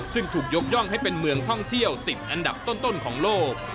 ซึ่งถูกยกย่องให้เป็นเมืองท่องเที่ยวติดอันดับต้นของโลก